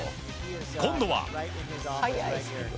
今度は。